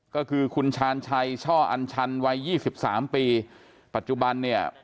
ก็คือคุณชาญชัยช่ออัญชันวัย๒๓ปีปัจจุบันเนี่ย